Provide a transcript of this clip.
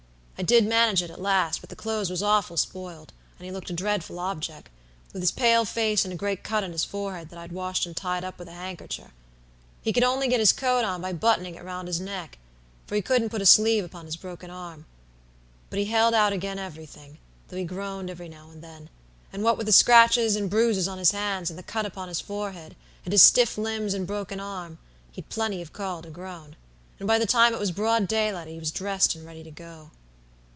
I did manage it at last, but the clothes was awful spoiled, and he looked a dreadful objeck, with his pale face and a great cut on his forehead that I'd washed and tied up with a handkercher. He could only get his coat on by buttoning it on round his neck, for he couldn't put a sleeve upon his broken arm. But he held out agen everything, though he groaned every now and then; and what with the scratches and bruises on his hands, and the cut upon his forehead, and his stiff limbs and broken arm, he'd plenty of call to groan; and by the time it was broad daylight he was dressed and ready to go.